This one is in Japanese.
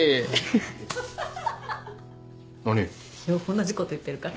同じこと言ってるから。